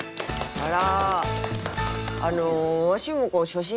あら！